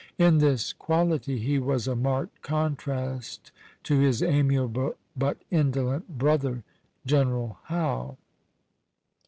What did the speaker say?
In this quality he was a marked contrast to his amiable but indolent brother, General Howe.